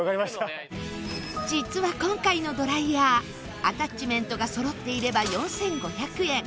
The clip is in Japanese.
実は今回のドライヤーアタッチメントがそろっていれば４５００円。